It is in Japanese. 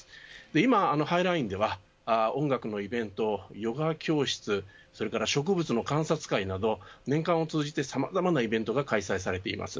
今、ハイラインでは音楽のイベントヨガ教室それから植物の観察会など年間を通じてさまざまなイベントが開催されています。